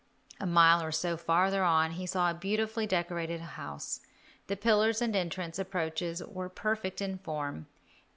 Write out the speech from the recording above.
A mile or so farther on he saw a beautifully decorated house. The pillars and entrance approaches were perfect in form.